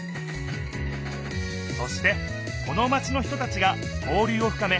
そしてこのマチの人たちが交流をふかめ